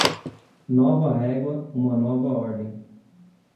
Nova régua, uma nova ordem.